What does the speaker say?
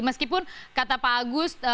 meskipun kata pak agus